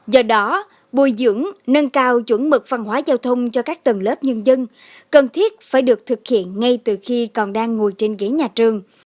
do đó bồi dưỡng nâng cao chuẩn mực văn hóa giao thông cho các tầng lớp nhân dân cần thiết phải được thực hiện ngay từ khi còn đang ngồi trên ghế nhà trường